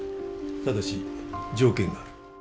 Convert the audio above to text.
ただし条件がある。